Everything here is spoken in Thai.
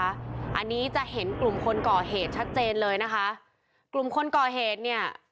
อันนี้จะเห็นกลุ่มคนก่อเหตุชัดเจนเลยนะคะกลุ่มคนก่อเหตุเนี่ย